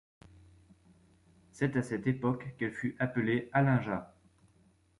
C'est à cette époque qu'elle fut appelée Alinja.